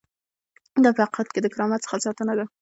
دا په حقیقت کې د کرامت څخه ساتنه ده.